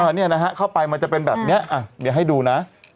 เนี่ยนะฮะเข้าไปมันจะเป็นแบบนี้เดี๋ยวให้ดูนะ